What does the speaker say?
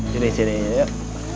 sini sini yuk